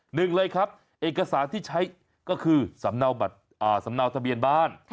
หนึ่งเลยครับเอกสารที่ใช้ก็คือสำเนาทะเบียนบ้าน